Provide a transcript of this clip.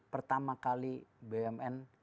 pertama kali bumn